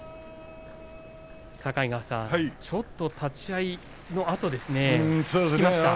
境川さん、ちょっと立ち合いのあとですね。